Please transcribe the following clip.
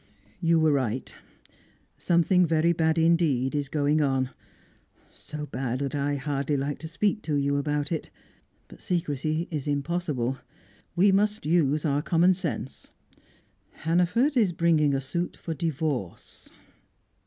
"You were right. Something very bad indeed is going on, so bad that I hardly like to speak to you about it. But secrecy is impossible; we must use our common sense Hannaford is bringing a suit for divorce."